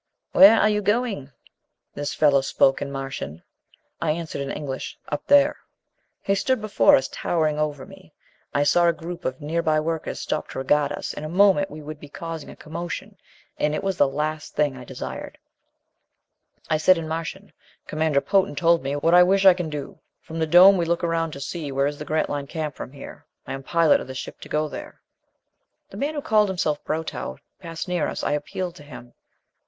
"Where are you going?" This fellow spoke in Martian. I answered in English, "Up there." He stood before us, towering over me. I saw a group of nearby workers stop to regard us. In a moment we would be causing a commotion, and it was the last thing I desired. I said in Martian, "Commander Potan told me, what I wish I can do. From the dome we look around to see where is the Grantline camp from here. I am pilot of this ship to go there." The man who had called himself Brotow passed near us. I appealed to him.